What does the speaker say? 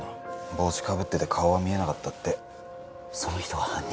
帽子かぶってて顔は見えなかったってその人が犯人？